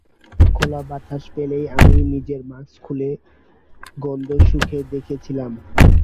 খোলা বাতাস পেলেই আমি নিজের মাস্ক খুলে গন্ধ শুঁকে দেখছিলাম।